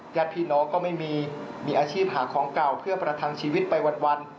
ญาติพี่น้องก็ไม่มีมีอาชีพหาของเก่าเพื่อประทังชีวิตไปวัน